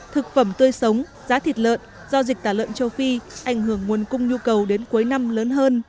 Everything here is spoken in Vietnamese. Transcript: thực phẩm tươi sống giá thịt lợn do dịch tả lợn châu phi ảnh hưởng nguồn cung nhu cầu đến cuối năm lớn hơn